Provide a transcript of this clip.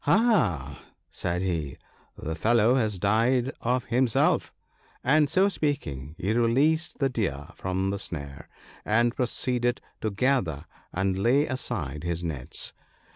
" Aha !" said he, " the fellow has died of himself," and so speaking, he released the Deer from the snare, and proceeded to gather and lay aside his nets.